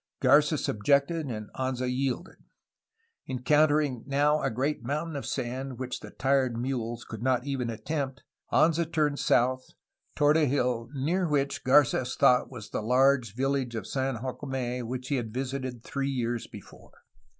Garces objected and Anza yielded. Encountering now a great mountain of sand which the tired mules could not even attempt, Anza turned south toward a hill near which Garces thought was the large village of San Jacome, which he had visited three years before.